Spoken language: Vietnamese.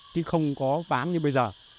chứ không có bán như bây giờ